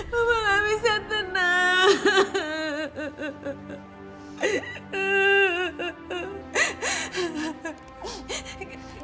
mama gak bisa tenang